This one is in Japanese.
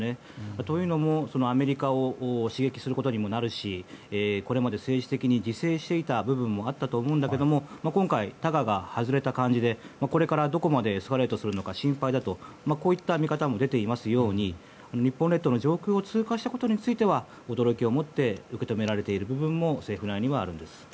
というのもアメリカを刺激することになるしこれまで政治的に自制していた部分もあったと思うんだけれども今回タガが外れた感じでこれから、どこまでエスカレートするのか心配だとこういった見方も出ていますように日本列島の上空を通過したことについては驚きをもって受け止められている部分も政府内にあります。